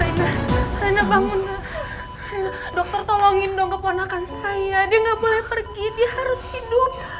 saya bangun dokter tolongin dong keponakan saya dia nggak boleh pergi dia harus hidup